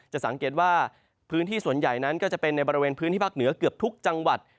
จะสังเกตว่าพื้นที่ส่วนใหญ่นั้นก็จะเป็นในบริเวณพื้นที่ภาคเหนือเกือบทุกจังหวัด